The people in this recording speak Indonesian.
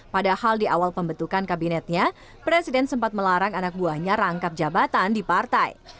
padahal di awal pembentukan kabinetnya presiden sempat melarang anak buahnya rangkap jabatan di partai